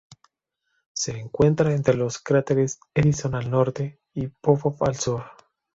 Se encuentra entre los cráteres Edison al norte y Popov al sur.